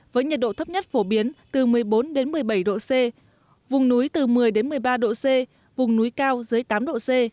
với nhiệt độ thấp nhất phổ biến từ một mươi bốn một mươi bảy độ c vùng núi từ một mươi một mươi ba độ c vùng núi cao dưới tám độ c